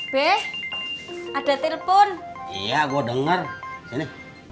weh ada telepon iya gua denger sini